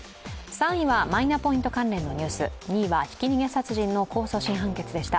３位はマイナポイント関連のニュース、２位はひき逃げ殺人の控訴審判決でした。